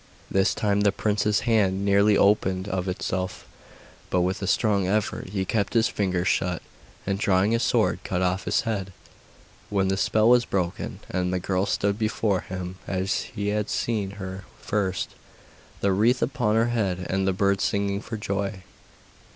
This time the prince's hand nearly opened of itself, but with a strong effort he kept his fingers shut, and drawing his sword cut off its head, when the spell was broken, and the girl stood before him as he had seen her first, the wreath upon her head and the birds singing for joy.